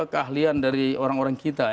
keahlian dari orang orang kita